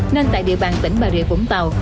nên tại địa bàn tỉnh bà rịa vũng tàu